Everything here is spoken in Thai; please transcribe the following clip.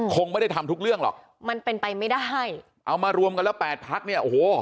คงไม่ได้ทำทุกเรื่องหรอกมันเป็นไปไม่ได้เอามารวมกันแล้วแปดพักเนี่ยโอ้โห